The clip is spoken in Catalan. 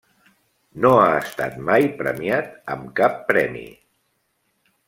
No ha estat mai premiat amb cap premi.